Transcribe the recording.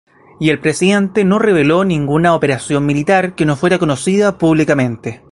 Y el presidente no reveló ninguna operación militar que no fuera conocida públicamente.